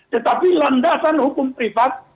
tetapi landasan hukum pribadi